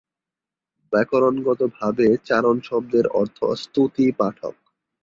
ব্যাকরণগত ভাবে চারণ শব্দের অর্থ স্তুতি পাঠক।